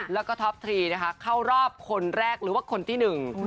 แล้วก็ท็อปทรีนะคะเข้ารอบคนแรกหรือว่าคนที่หนึ่ง